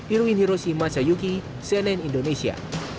irwin hiroshima sayuki cnn indonesia